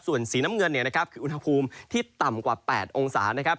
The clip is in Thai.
ส่วนสีน้ำเงินเนี่ยนะครับคืออุณหภูมิที่ต่ำกว่า๘องศานะครับ